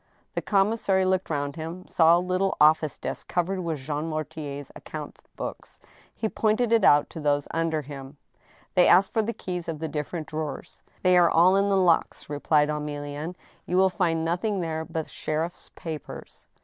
The commissary looked round him, saw a little office desk cov ered with Jean Mortier's account books. He pointed it out to those under him. THE HAMMER. lOI They asked for the keys of the difiFerent drawers. " They are all in the locks," replied Emilienne ;" you will find nothing there but sheriff's papers."